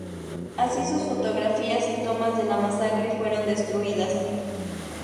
Así sus fotografías y tomas de la masacre fueron destruidas.